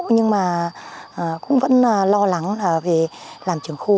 nhưng mà cũng vẫn lo lắng là về làm trưởng khu